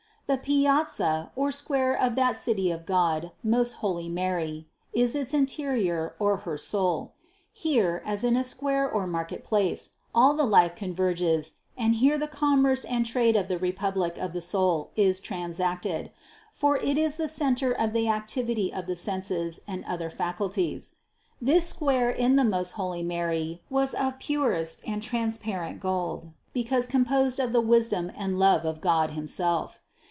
The piazza or square of that City of God, most holy Mary, is its interior or her soul. Here, as in a square or mar ketplace, all the life converges and here the commerce and trade of the republic of the soul is transacted; for it is the centre of the activity of the senses and other faculties. This square in the most holy Mary was of purest and transparent gold, because composed of the wisdom and love of God himself.